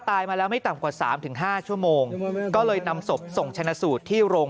ตายมาแล้วไม่ต่ำกว่า๓๕ชั่วโมงก็เลยนำศพส่งชนสูตรที่โรง